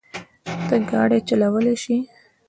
ته ګاډی چلولی شې؟